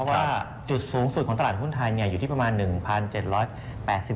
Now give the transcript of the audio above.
แต่ก็ตลาดหุ้นไทยนี่น่าติดตามนะครับ